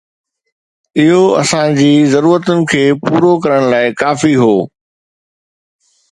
اهو اسان جي ضرورتن کي پورو ڪرڻ لاء ڪافي هو